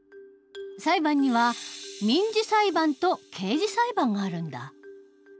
裁判には民事裁判と刑事裁判があるんだ。